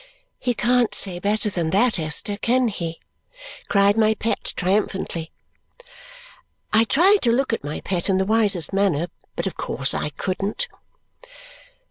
"He can't say better than that, Esther, can he?" cried my pet triumphantly. I tried to look at my pet in the wisest manner, but of course I couldn't.